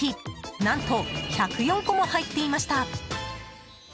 何と、１０４個も入っていました。